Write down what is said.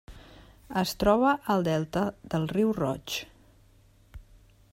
Es troba al delta del Riu Roig.